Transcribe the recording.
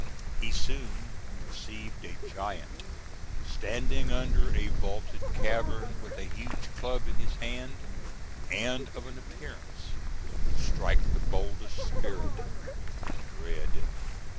He soon perceived a giant standing under a vaulted cavern, with a huge club in his hand, and of an appearance to strike the boldest spirit with dread.